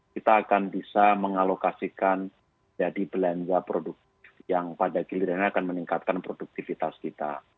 kita akan bisa mengalokasikan jadi belanja produktif yang pada gilirannya akan meningkatkan produktivitas kita